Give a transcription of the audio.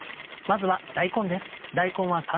まずは大根です。